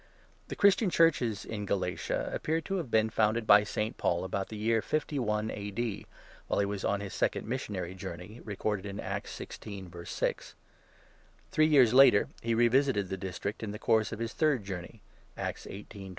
The Christian Churches in ' Galatia ' appear to have been founded by St. Paul about the year 51 A. D., while he was on his second missionary journey (Acts 16. 6). Three years later he re visited the district in the course of his third journey (Acts 1 8.